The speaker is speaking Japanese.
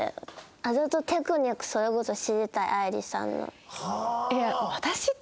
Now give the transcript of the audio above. あざとテクニックそれこそ知りたい愛理さんの。